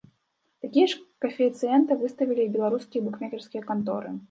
Такія ж каэфіцыенты выставілі і беларускія букмекерскія канторы.